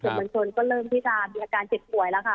สิ่งวันส่วนก็เริ่มตรีตามมีอาการเจ็ดป่วยแล้วค่ะ